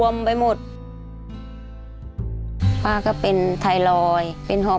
ขอเพียงคุณสามารถที่จะเอ่ยเอื้อนนะครับ